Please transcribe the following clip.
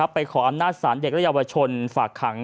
ไปขออำนาจศาลเด็กและเยาวชนฝากขัง